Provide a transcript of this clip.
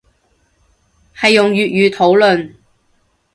係用粵語討論